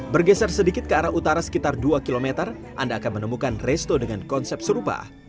bergeser sedikit ke arah utara sekitar dua km anda akan menemukan resto dengan konsep serupa